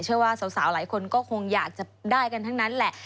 เชื่อว่าสาวหลายคนก็คงอยากจะได้กันทั้งนั้นแหละ